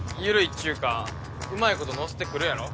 っちゅうかうまいこと乗せてくるやろ？